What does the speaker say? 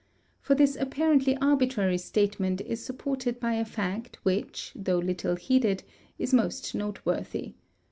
For this apparently arbitrary statement is supported by a fact which, though little heeded, is most noteworthy.